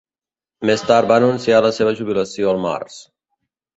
Més tard va anunciar la seva jubilació al març.